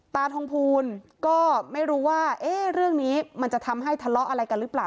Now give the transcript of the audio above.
ตาทองภูลก็ไม่รู้ว่าเรื่องนี้มันจะทำให้ทะเลาะอะไรกันหรือเปล่า